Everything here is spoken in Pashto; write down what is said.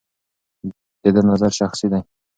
د ده نظر شخصي دی.